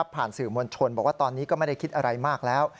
ผ่านสื่อมวลชนบอกว่าตอนนี้ก็ไม่ได้คิดอะไรมากแล้ว